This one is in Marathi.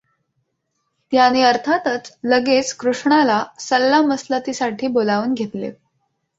त्यानी अर्थातच लगेच कृष्णाला सल्लामसलतीसाठी बोलावून घेतले.